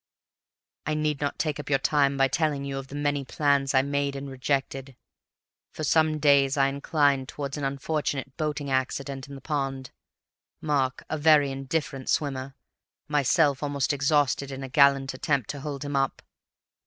"I need not take up your time by telling you of the many plans I made and rejected. For some days I inclined towards an unfortunate boating accident in the pond—Mark, a very indifferent swimmer, myself almost exhausted in a gallant attempt to hold him up.